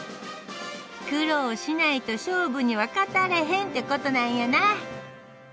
「苦労しないと勝負には勝たれへんってことなんやな。